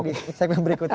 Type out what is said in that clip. di segmen berikutnya